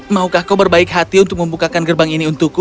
maukah kau berbaik hati untuk membukakan gerbang ini untukku